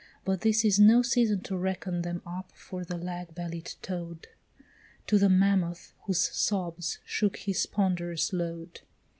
but this is no season To reckon them up from the lag bellied toad To the mammoth, whose sobs shook his ponderous load.